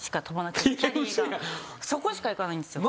そこしか行かないんですよ。